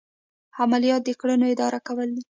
عملیات د کړنو اداره کول دي.